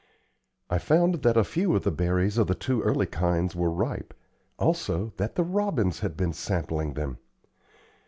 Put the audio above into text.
I found that a few of the berries of the two early kinds were ripe, also that the robins had been sampling them.